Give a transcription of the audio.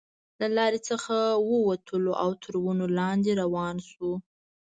له لارې څخه وو وتلو او تر ونو لاندې روان شوو.